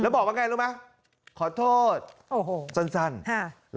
แล้วบอกว่าไงรู้ไหมขอโทษโอ้โหสั้นสั้นค่ะ